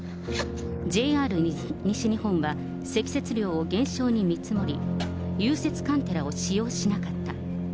ＪＲ西日本は積雪量を減少に見積もり、融雪カンテラを使用しなかった。